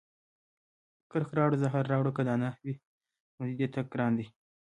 کرکه راوړه زهر راوړه که دا نه وي، نو د دې تګ ګران دی